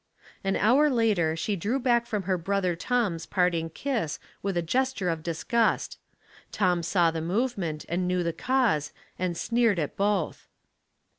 An hour later she drew back from her brother Tom's parting kiss with a gesture of disgust. Tom saw the movement, and knew the cause, and sneered at both.